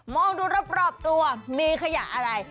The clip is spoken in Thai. ดูรอบตัวมีขยะอะไร